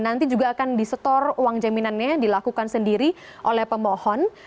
nanti juga akan disetor uang jaminannya dilakukan sendiri oleh pemohon